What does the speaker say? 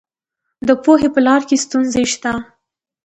د پوهې په لاره کې ستونزې شته.